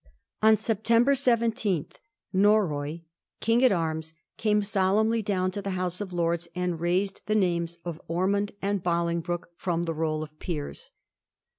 On September 17, Norroy King at Arms came solemnly down to the House of Lords, and razed the names of Ormond and of Bolingbroke fix)m the roll of peers.